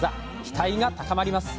期待が高まります。